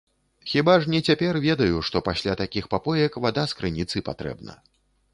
Хіба ж не цяпер ведаю, што пасля такіх папоек вада з крыніцы патрэбна.